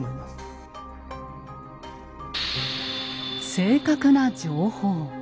正確な情報。